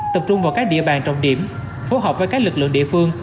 tập trung vào các địa bàn trọng điểm phối hợp với các lực lượng địa phương